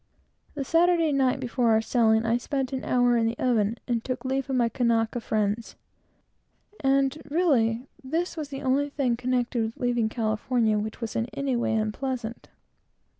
The Saturday night before our sailing, I spent an hour in the oven, and took leave of my Kanaka friends; and, really, this was the only thing connected with leaving California which was in any way unpleasant.